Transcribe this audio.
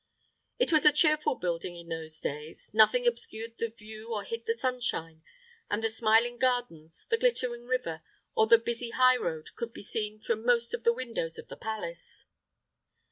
It was a cheerful building in those days; nothing obscured the view or hid the sunshine; and the smiling gardens, the glittering river, or the busy high road could be seen from most of the windows of the palace.